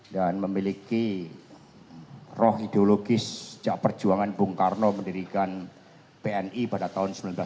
dan memiliki roh ideologis sejak perjuangan bung karno mendirikan pni pada tahun seribu sembilan ratus dua puluh tujuh